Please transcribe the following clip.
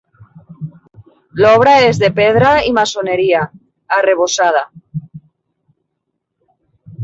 L'obra és de pedra i maçoneria, arrebossada.